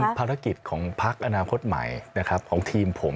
จริงภารกิจของพักอนาคตใหม่ของทีมผม